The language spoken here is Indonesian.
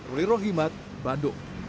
roli rohimat bandung